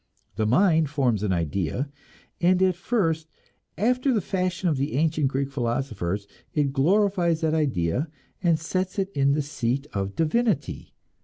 The mind forms an idea, and at first, after the fashion of the ancient Greek philosophers, it glorifies that idea and sets it in the seat of divinity.